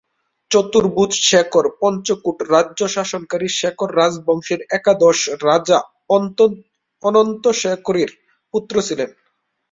চতুর্ভুজ শেখর পঞ্চকোট রাজ্য শাসনকারী শেখর রাজবংশের একাদশ রাজা অনন্ত শেখরের পুত্র ছিলেন।